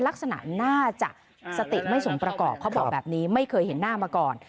ลักษณะน่าจะสติไม่สมประกอบเขาบอกแบบนี้ไม่เคยเห็นหน้ามาก่อน